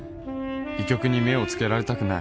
医局に目をつけられたくない